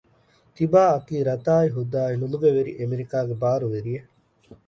ތިބާއަކީ ރަތާއި ހުދާއި ނުލުގެވެރި އެމެރިކާގެ ބާރުވެރިއެއް